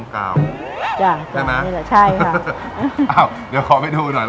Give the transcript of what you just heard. ค่ะเชิญค่ะ